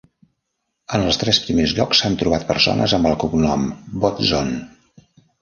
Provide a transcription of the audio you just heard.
En els tres primers llocs s'han trobat persones amb el cognom Botzon.